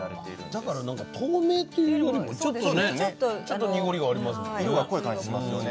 だから透明というよりもちょっとねちょっと濁りがありますもんね。